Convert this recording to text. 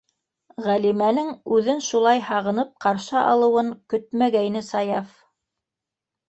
Ғәлимәнең үҙен шулай һағынып ҡаршы алыуын көтмәгәйне Саяф.